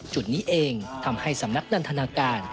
จุดนี้เองทำให้สำนักนันทนาการ